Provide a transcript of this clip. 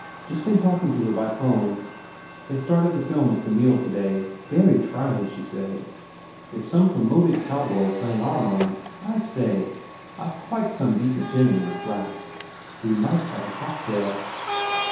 Just been talking to her by phone. They started the film of Camille today. Very trying, she said. They ve some promoted cow boy playing Armand. I say, I ve some quite de cent gin in my flask. We might have a cocktail."